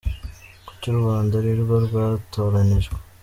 Kuki u Rwanda ari rwo rwatoranijwe ?